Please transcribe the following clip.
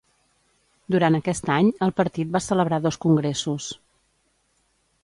Durant aquest any, el Partit va celebrar dos Congressos.